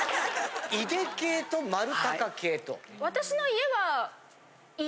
井出系と丸系と。